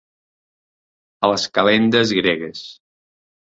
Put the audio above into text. A les calendes gregues.